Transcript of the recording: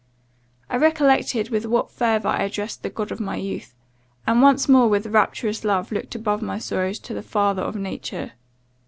I recollected with what fervour I addressed the God of my youth: and once more with rapturous love looked above my sorrows to the Father of nature.